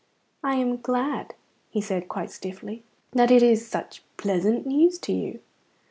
"I am glad," he said quite stiffly, "that it is such pleasant news to you."